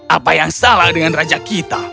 apa yang salah dengan raja kita